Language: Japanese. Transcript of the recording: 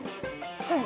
はい。